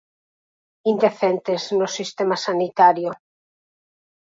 Indecentes no sistema sanitario.